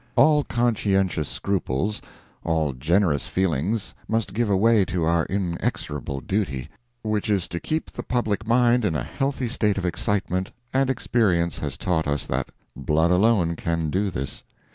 All conscientious scruples—all generous feelings must give way to our inexorable duty—which is to keep the public mind in a healthy state of excitement, and experience has taught us that blood alone can do this.